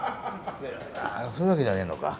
ああそういうわけじゃねえのか。